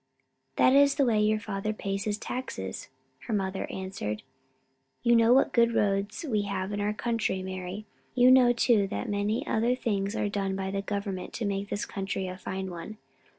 "That is the way your father pays his taxes," her mother answered. "You know what good roads we have in our country, Mari. You know, too, that many other things are done by the government to make this country a fine one.